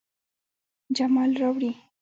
جمال راوړي